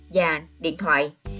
và điện thoại